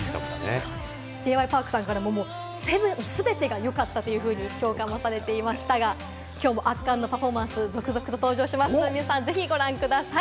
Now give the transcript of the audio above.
Ｊ．Ｙ．Ｐａｒｋさんからも全てが良かったというふうに評価されていましたが、きょうも圧巻のパフォーマンス、続々と登場しますので、皆さんぜひご覧ください。